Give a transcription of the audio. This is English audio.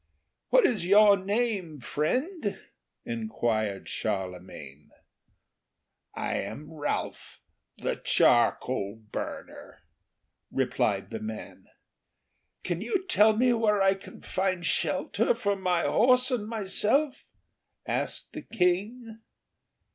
"What is your name, friend?" enquired Charlemagne. "I am Ralph, the charcoal burner," replied the man. "Can you tell me where I can find shelter for my horse and myself?" asked the King.